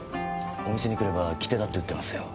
お店に来れば切手だって売ってますよ。